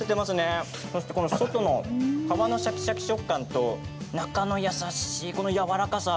そして、この外の皮のしゃきしゃき食感と中の優しい、このやわらかさ。